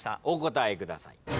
お答えください。